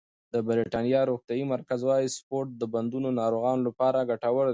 د بریتانیا روغتیايي مرکز وايي سپورت د بندونو ناروغانو لپاره ګټور دی.